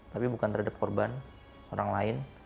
tapi bukan terhadap korban orang lain